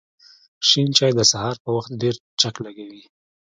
شین چای د سهار په وخت ډېر چک لږوی